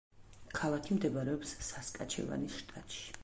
ქალაქი მდებარეობს სასკაჩევანის შტატში.